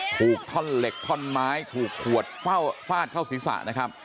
ถูกท่อนเหล็กท่อนไม้ถูกขวดฟาดเข้าศีรษะนะครับ